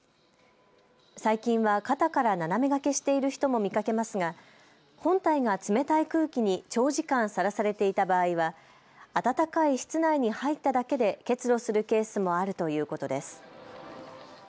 最近は肩から斜めがけしている人も見かけますが本体が冷たい空気に長時間さらされていた場合は暖かい室内に入っただけで結露するケースもあるということです。